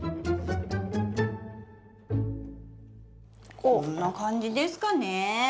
こんな感じですかね。